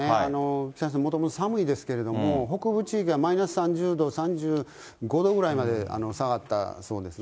北朝鮮もともと寒いですけれども、北部地域はマイナス３０度、３５度ぐらいまで下がったそうですね。